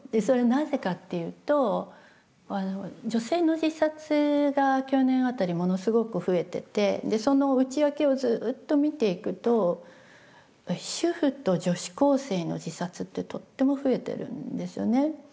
それはなぜかっていうと女性の自殺が去年辺りものすごく増えててその内訳をずっと見ていくと主婦と女子高生の自殺ってとっても増えてるんですよね。